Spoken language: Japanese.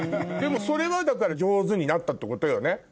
でもそれはだから上手になったってことよね？